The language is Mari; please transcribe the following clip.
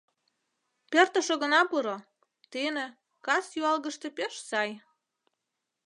Пӧртыш огына пуро; тӱнӧ, кас юалгыште пеш сай.